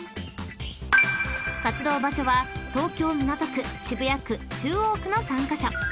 ［活動場所は東京港区渋谷区中央区の３カ所］